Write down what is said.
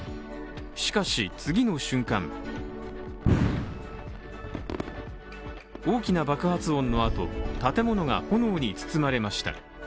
しかし、次の瞬間大きな爆発音のあと、建物が炎に包まれました。